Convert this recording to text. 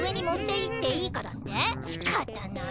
しかたない。